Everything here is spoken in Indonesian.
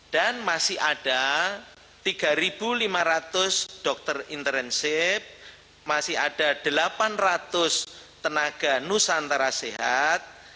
dan masih ada tiga lima ratus dokter internship masih ada delapan ratus tenaga nusantara sehat